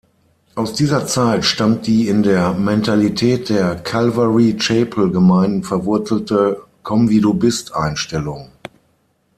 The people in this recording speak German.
Aus dieser Zeit stammt die in der Mentalität der Calvary-Chapel-Gemeinden verwurzelte „Komm-wie-du-bist“-Einstellung.